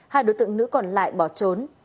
hai đối tượng nữ còn lại bỏ trốn